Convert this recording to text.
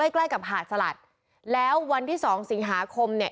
ใกล้กับหาดสลัดแล้ววันที่สองสิงหาคมเนี่ย